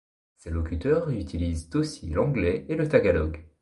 Ses locuteurs utilisent aussi l'anglais et le tagalog.